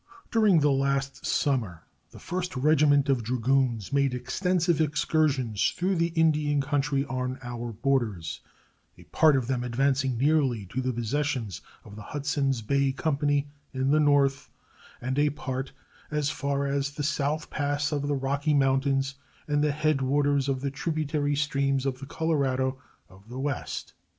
During the last summer the First Regiment of Dragoons made extensive excursions through the Indian country on our borders, a part of them advancing nearly to the possessions of the Hudsons Bay Company in the north, and a part as far as the South Pass of the Rocky Mountains and the head waters of the tributary streams of the Colorado of the West.